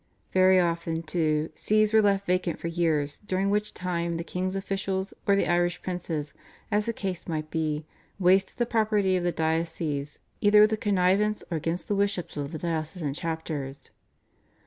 Very often, too, Sees were left vacant for years during which time the king's officials or the Irish princes, as the case might be, wasted the property of the diocese either with the connivance or against the wishes of the diocesan chapters.